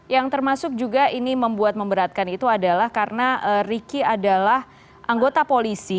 yang termasuk juga ini membuat memberatkan itu adalah karena ricky adalah anggota polisi